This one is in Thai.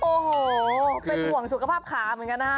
โอ้โหเป็นห่วงสุขภาพขาเหมือนกันนะฮะ